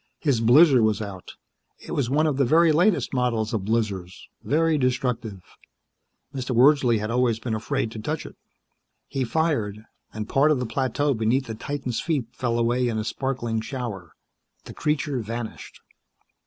His blizzer was out. It was one of the very latest models of blizzers. Very destructive. Mr. Wordsley had always been afraid to touch it. He fired, and part of the plateau beneath the titan's feet fell away in a sparkling shower. The creature vanished.